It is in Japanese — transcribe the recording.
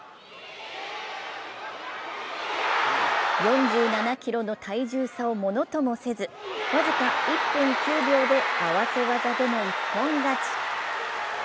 ４７ｋｇの体重差をものともせず、僅か１分９秒で合わせ技での一本勝ち。